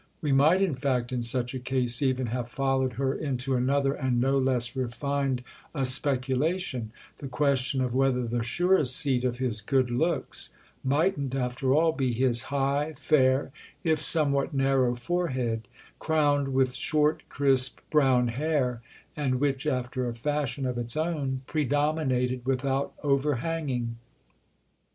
We might in fact in such a case even have followed her into another and no less refined a speculation—the question of whether the surest seat of his good looks mightn't after all be his high, fair, if somewhat narrow, forehead, crowned with short crisp brown hair and which, after a fashion of its own, predominated without overhanging.